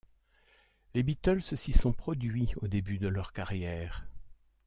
Les Beatles s'y sont produits au début de leur carrière.